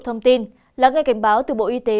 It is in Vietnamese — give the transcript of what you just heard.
thông tin là ngay cảnh báo từ bộ y tế